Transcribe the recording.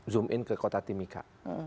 zoom in ke kota timika